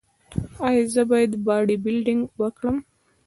ایا زه باید باډي بلډینګ وکړم؟